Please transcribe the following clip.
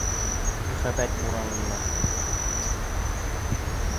Мөхәббәт буранында.